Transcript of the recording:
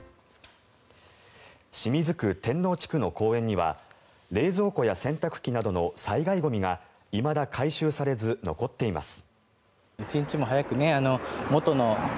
清水区天王地区の公園には冷蔵庫や洗濯機などの災害ゴミがいまだ回収されず残っています。